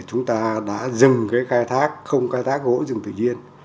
chúng ta đã dừng cái khai thác không khai thác gỗ rừng tự nhiên